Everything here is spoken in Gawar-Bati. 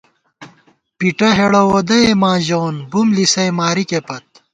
پِٹہ ہېڑہ وودَئےماں ژَوون بُم لِسَئےمارِکےپت